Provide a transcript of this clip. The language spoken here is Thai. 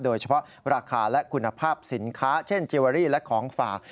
โดยเฉพาะราคาและคุณภาพสินค้าเช่นจิเวอรี่และของฝาก